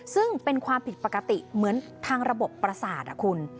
ซึ่งเป็นความผิดปกติเหมือนทางระบบประสาทคุณ